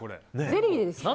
ゼリーですか？